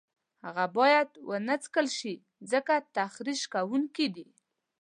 هغه باید ونه څکل شي ځکه تخریش کوونکي دي.